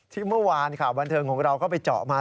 ที่เมื่อวานบันเทิงของเราก็ไปเจาะมา